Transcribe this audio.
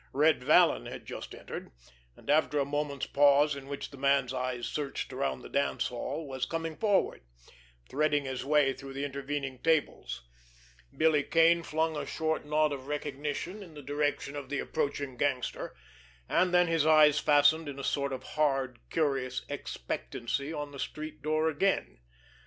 Red Vallon had just entered, and, after a moment's pause in which the man's eyes searched around the dance hall, was coming forward, threading his way through the intervening tables. Billy Kane flung a short nod of recognition in the direction of the approaching gangster; and then his eyes fastened in a sort of hard, curious expectancy on the street door again.